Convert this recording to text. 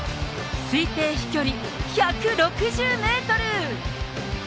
推定飛距離１６０メートル。